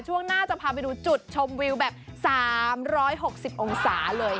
จุดชมวิวแบบ๓๖๐องศาเลย